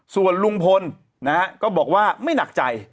ส่วนลุงพลนะฮะก็บอกว่าไม่หนักใจ